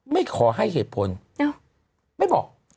ไม่ขอให้เหตุผลไม่บอก